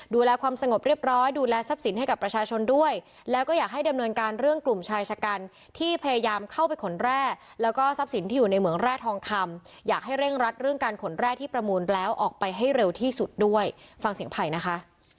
ดูแลความสงบเรียบร้อยดูแลทรัพย์สินให้กับประชาชนด้วยแล้วก็อยากให้ดำเนินการเรื่องกลุ่มชายชะกันที่พยายามเข้าไปขนแร่แล้วก็ทรัพย์สินที่อยู่ในเหมืองแร่ทองคำอยากให้เร่งรัดเรื่องการขนแร่ที่ประมูลแล้วออกไปให้เร็วที่สุดด้วยฟังเสียงไผ่นะคะ